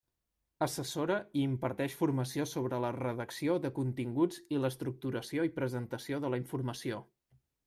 Assessora i imparteix formació sobre la redacció de continguts i l'estructuració i presentació de la informació.